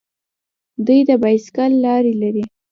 دوی د بایسکل لارې لري.